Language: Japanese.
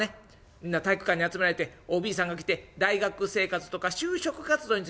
みんな体育館に集められてＯＢさんが来て大学生活とか就職活動について話すあれでしょ？」。